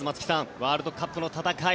ワールドカップの戦い